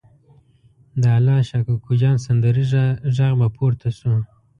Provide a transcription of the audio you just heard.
د الله شا کوکو جان سندریزه غږ به پورته شو.